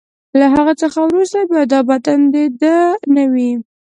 له هغه څخه وروسته بیا دا بدن د ده نه وي.